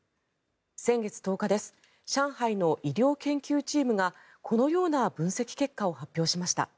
先月１０日上海の医療研究チームがこのような分析結果を発表しました。